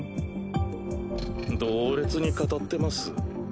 同列に語ってます？